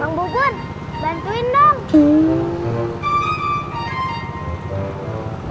bang bukun bantuin dong